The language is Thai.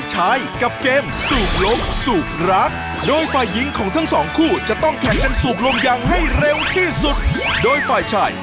จะเป็นฝ่ายชนะรับไปเลย๒หัวใจ